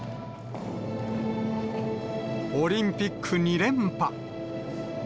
オリンピック２連覇。